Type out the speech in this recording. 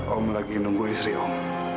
om lagi nunggu istri om